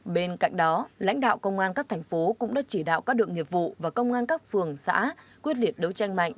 bên cạnh đó lãnh đạo công an các thành phố cũng đã chỉ đạo các đường nghiệp vụ và công an các phường xã quyết liệt đấu tranh mạnh